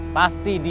pasti di jak